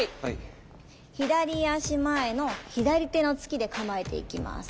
左足前の左手の突きで構えていきます。